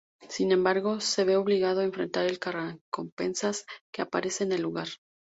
Sin embargo, se ve obligado a enfrentar al Cazarrecompensas que aparece en el lugar.